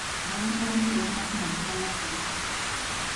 Abantu abamu tebannafuna musaala gwabwe.